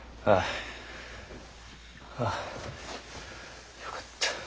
あぁよかった。